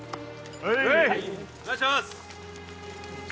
お願いします！